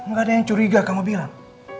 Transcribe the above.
nggak ada yang curiga kamu bilang